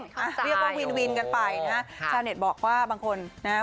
เรียกว่าวินวินกันไปนะฮะชาวเน็ตบอกว่าบางคนนะฮะ